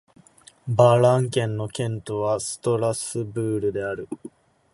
バ＝ラン県の県都はストラスブールである